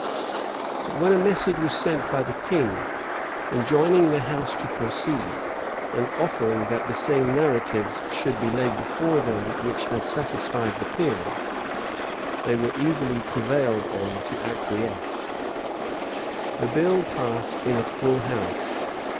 But when a message was sent by the king, enjoining the house to proceed, and offering that the same narratives should be laid before them which had satisfied the peers, they were easily prevailed on to acquiesce.[*] The bill passed in a full house.